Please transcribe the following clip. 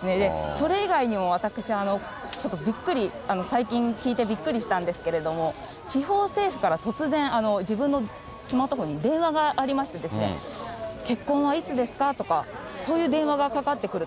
それ以外にも私、ちょっとびっくり、最近聞いてびっくりしたんですけれども、地方政府から突然、自分のスマートフォンに電話がありましてですね、結婚はいつですか？とか、そういう電話がかかってくると。